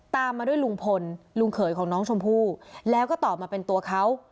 ตามมาด้วยลุงพลลุงเขยของน้องชมพู่แล้วก็ตอบมาเป็นตัวเขา